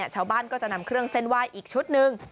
ชาวบ้านก็จะนำเครื่องเส้นไหว้อีกชุดหนึ่ง